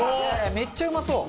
めっちゃうまそう。